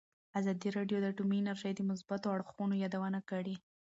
ازادي راډیو د اټومي انرژي د مثبتو اړخونو یادونه کړې.